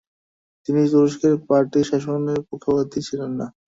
তিনি তুরস্কে পার্টির শাসনের পক্ষপাতি ছিলেন না।